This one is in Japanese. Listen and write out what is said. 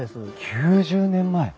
９０年前！